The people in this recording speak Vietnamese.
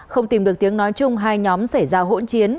không tìm được tiếng nói chung hai nhóm xảy ra hỗn chiến